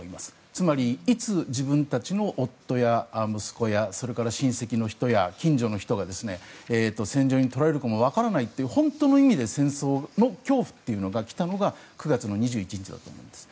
つまり、いつ自分たちの夫や息子や親戚の人や近所の人が戦場にとられるか分からないという本当の意味で戦争の恐怖というのが来たのが９月の２１日だと思います。